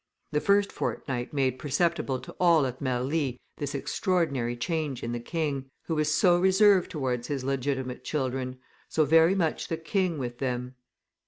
The first fortnight made perceptible to all at Marly this extraordinary change in the king, who was so reserved towards his legitimate children, so very much the king with them.